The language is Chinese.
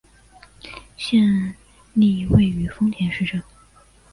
县莅位于丰田市镇。